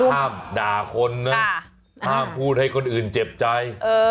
ห้ามด่าคนนะห้ามพูดให้คนอื่นเจ็บใจ